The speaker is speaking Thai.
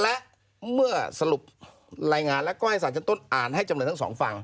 และเมื่อสรุปรายงานแล้วก็ให้สารชั้นต้นอ่านให้จำเลยทั้งสองฟัง